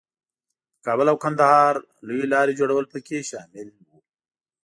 د کابل او کندهار لویې لارې جوړول پکې شامل وو.